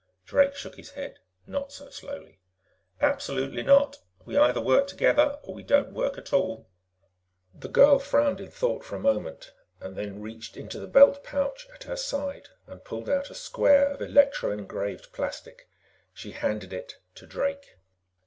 Drake shook his head not so slowly. "Absolutely not. We either work together or we don't work at all." The girl frowned in thought for a moment, and then reached into the belt pouch at her side and pulled out a square of electro engraved plastic. She handed it to Drake.